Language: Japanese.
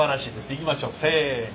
いきましょうせの！